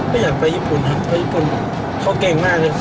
อยากไปญี่ปุ่นครับเพราะญี่ปุ่นเขาเก่งมากเลย